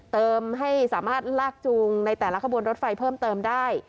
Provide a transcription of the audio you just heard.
เติมให้สามารถลากจูงในแต่ละขบวนรถไฟเพิ่มเติมได้